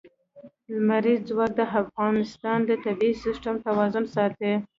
لمریز ځواک د افغانستان د طبعي سیسټم توازن ساتي.